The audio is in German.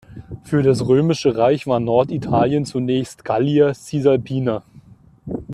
Für das Römische Reich war Norditalien zunächst "Gallia cisalpina".